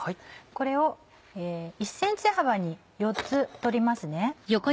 これを１ｃｍ幅に４つ取りますね。